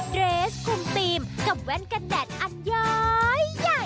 เดรสคุมธีมกับแว่นกันแดดอันย้อยใหญ่